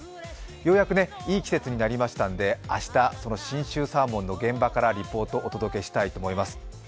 ようやくいい季節になりましたんで明日、その信州サーモンの現場からリポートをお届けしたいと思います。